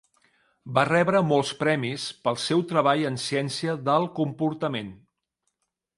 Va rebre molts premis pel seu treball en ciència del comportament.